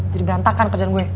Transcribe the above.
jadi berantakan kerjaan gue